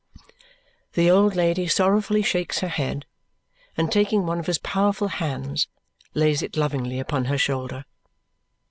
The old lady sorrowfully shakes her head, and taking one of his powerful hands, lays it lovingly upon her shoulder.